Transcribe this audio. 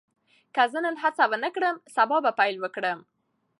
که زه نن هڅه ونه کړم، سبا به پیل وکړم.